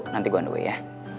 nanti gue underway ya